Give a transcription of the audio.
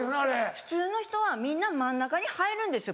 普通の人はみんな真ん中に入るんですよ